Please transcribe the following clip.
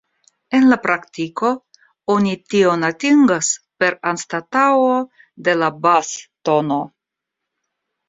En la praktiko oni tion atingas per anstataŭo de la bas-tono.